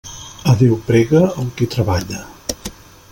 A Déu prega el qui treballa.